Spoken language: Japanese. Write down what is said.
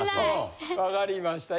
分かりました。